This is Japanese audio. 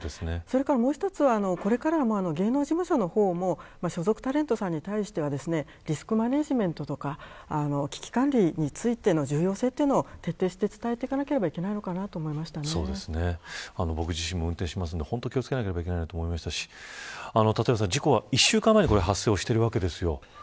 もう一つは、これから芸能事務所の方も所属タレントさんに対してはリスクマネジメントとか危機管理についての重要性というのを徹底して伝えていかなければ僕自身も運転しますので本当に気を付けなければと思いましたし立岩さん、事故は１週間前に発生してるわけです。